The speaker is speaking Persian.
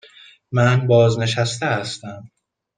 من بازنشسته هستم.